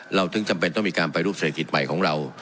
เราถึงจำเป็นต้องมีการปฏิรูปเศรษฐกิจใหม่ของเรา